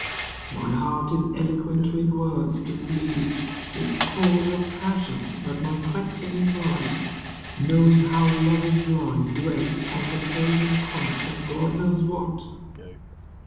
My heart is eloquent with words to plead Its cause of passion; but my questioning mind, Knowing how love is blind, Dwells on the pros and cons, and God knows what.